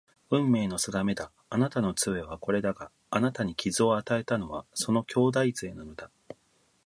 運命の定めだ。あなたの杖はこれだが、あなたに傷を与えたのはその兄弟杖なのだ